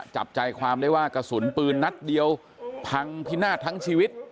จับใจความได้ว่ากระสุนปืนนัดเดียวพังพินาศทั้งชีวิต